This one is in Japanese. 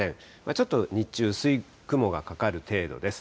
ちょっと日中、薄い雲がかかる程度です。